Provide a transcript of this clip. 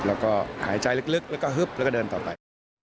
แล้วก็หายใจลึกแล้วก็ฮึบแล้วก็เดินต่อไป